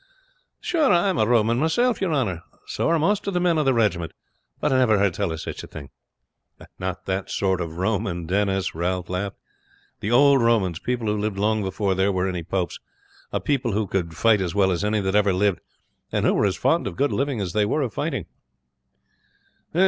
"Sure, I am a Roman myself, your honor so are most of the men of the regiment but I never heard tell of sich a thing." "Not that sort of Roman, Denis," Ralph laughed. "The old Romans people who lived long before there were any popes a people who could fight as well as any that ever lived, and who were as fond of good living as they were of fighting."